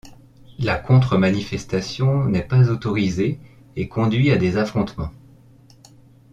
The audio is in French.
La contre-manifestation n'est pas autorisée, et conduit à des affrontements.